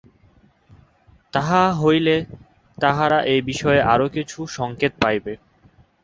তাহা হইলে তাহারা এ-বিষয়ে আরও কিছু সঙ্কেত পাইবে।